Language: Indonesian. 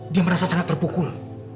dia merasa sangat terpukul